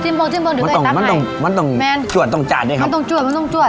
มันต้องมันต้องมันต้องจวดต้องจาดด้วยครับมันต้องจวดมันต้องจวด